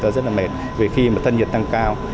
rất là mệt về khi mà thân nhiệt tăng cao